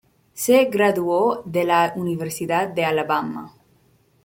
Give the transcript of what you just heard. Se graduó de la Universidad de Alabama.